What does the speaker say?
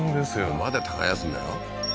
まだ耕すんだよ